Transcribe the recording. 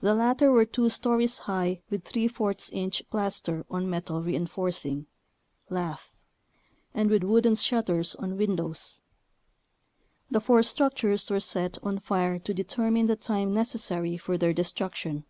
The latter were two stories high with % inch plaster on metal reinforcing (lath) and with wooden shutters on windows. The four structures were set on fire to determine the time necessary for their destruction.